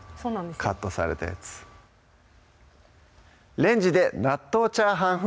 カットされたやつ「レンジで納豆チャーハン風」